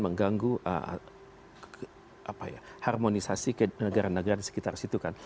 mengganggu harmonisasi ke negara negara di sekitar situ kan